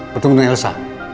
bertemu dengan elsa